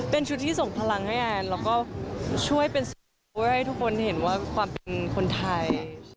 เป็นชุดที่ส่งพลังให้แอนแล้วก็ช่วยเป็นให้ทุกคนเห็นว่าความเป็นคนไทย